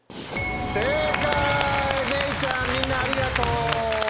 めいちゃんみんなありがとう！